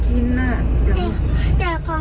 เดี๋ยวหนูอยู่ในรถน่ะเดี๋ยวแม่มาน่ะลูกน่ะนี่สัตว์ป้าป้า